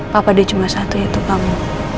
papa dia cuma satu yaitu kamu